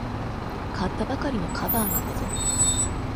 買ったばかりのカバーなんだぞ。